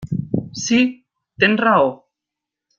Sí, tens raó.